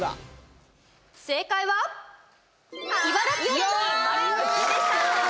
正解は、茨城県に丸でした。